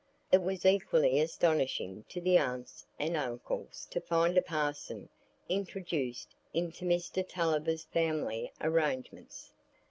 It was equally astonishing to the aunts and uncles to find a parson introduced into Mr Tulliver's family arrangements.